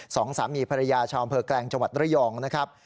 สองสามีภรรยาชาวอำเภอแกลงจังหวัดระยองนะครับ